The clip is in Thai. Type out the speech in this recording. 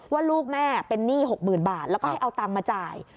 ว่าลูกแม่เป็นหนี้๖๐๐๐บาทแล้วก็ให้เอาตังค์มาจ่าย